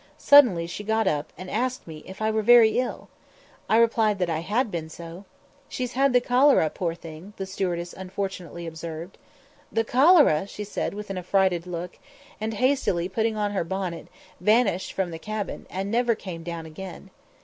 Suddenly she got up, and asked me if I were very ill? I replied that I had been so. "She's had the cholera, poor thing!" the stewardess unfortunately observed. "The cholera!" she said, with an affrighted look; and, hastily putting on her bonnet, vanished from the cabin, and never came down again.